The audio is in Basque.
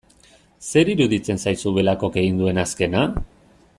Zer iruditzen zaizu Belakok egin duen azkena?